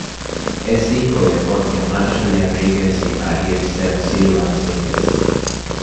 Es hijo de Jorge Marshall Henríquez y María Ester Silva Henríquez.